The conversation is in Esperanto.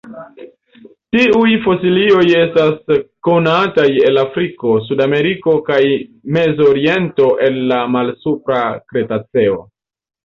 Tiuj fosilioj estas konataj el Afriko, Sudameriko, kaj Mezoriento el la Malsupra Kretaceo.